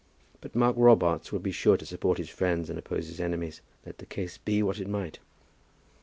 But Mark Robarts would be sure to support his friends and oppose his enemies, let the case be what it might.